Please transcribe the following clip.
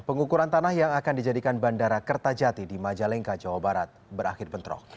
pengukuran tanah yang akan dijadikan bandara kertajati di majalengka jawa barat berakhir bentrok